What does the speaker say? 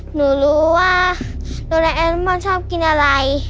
หนูรู้ว่าโดและแอลมอนชอบกินอะไร